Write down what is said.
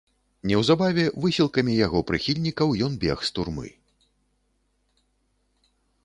Неўзабаве высілкамі яго прыхільнікаў ён бег з турмы.